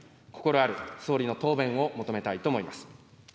心ある総理の答弁を求めたいと思います。